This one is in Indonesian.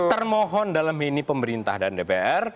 baik termohon dalam mini pemerintah dan dpr